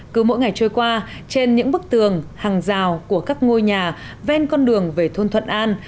cứ mỗi ngày trôi qua trên những bức tường hàng rào của các ngôi nhà ven con đường về thôn thuận an